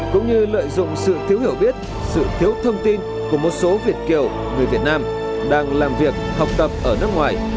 cũng như lợi dụng sự thiếu hiểu biết sự thiếu thông tin của một số việt kiều người việt nam đang làm việc học tập ở nước ngoài